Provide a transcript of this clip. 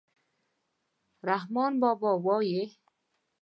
رحمان بابا وايي.